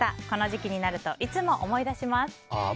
この時期になるといつも思い出します。